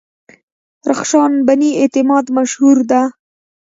رخشان بني اعتماد مشهوره ده.